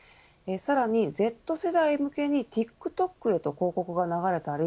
さらに、Ｚ世代向けにＴｉｋＴｏｋへと広告が流れたり